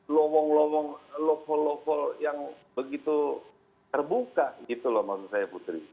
lomong lomong lokol lokol yang begitu terbuka gitu loh maksud saya putri